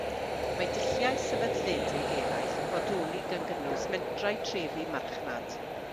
Mae dulliau sefydledig eraill yn bodoli, gan gynnwys Mentrau Trefi Marchnad.